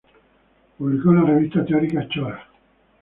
Publicó en la revista teórica "Chora".